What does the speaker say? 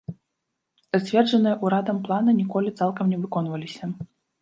Зацверджаныя ўрадам планы ніколі цалкам не выконваліся.